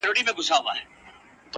تا پخپله جواب کړي وسیلې دي-